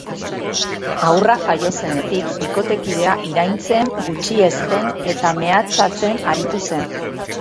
Haurra jaio zenetik bikotekidea iraintzen, gutxiesten eta mehatxatzen aritu zen.